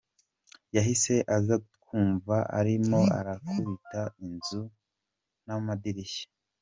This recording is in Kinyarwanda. Yahise aza twumva arimo arakubita inzugi n’amadirishya.